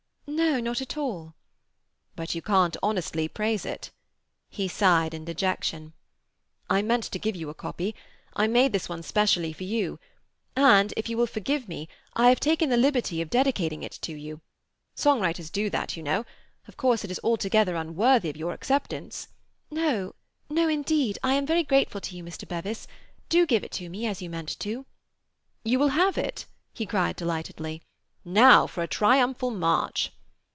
"No—not at all." "But you can't honestly praise it?" He sighed, in dejection. "I meant to give you a copy. I made this one specially for you, and—if you will forgive me—I have taken the liberty of dedicating it to you. Songwriters do that, you know. Of course it is altogether unworthy of your acceptance—" "No—no—indeed I am very grateful to you, Mr. Bevis. Do give it to me—as you meant to." "You will have it?" he cried delightedly. "Now for a triumphal march!"